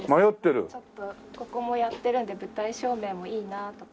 ちょっとここもやってるんで舞台照明もいいなとか。